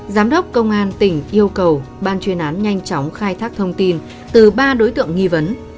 giám đốc công an tỉnh yêu cầu ban chuyên án nhanh chóng khai thác thông tin từ ba đối tượng nghi vấn